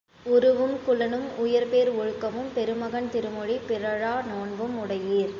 உருவும் குலனும் உயர்பேர் ஒழுக்கமும் பெருமகன் திருமொழி பிறழா நோன்பும் உடையீர்!